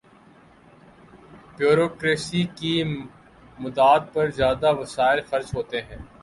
Bureaucracy کی مراعات پر زیادہ وسائل خرچ ہوتے ہیں۔